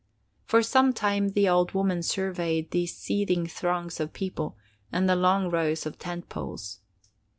For some time the old woman surveyed these seething throngs of people and the long rows of tent poles.